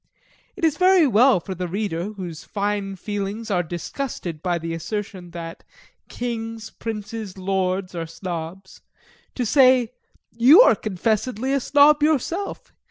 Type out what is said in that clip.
It is very well for the reader, whose fine feelings are disgusted by the assertion that Kings, Princes, Lords, are Snobs, to say 'You are confessedly a Snob yourself.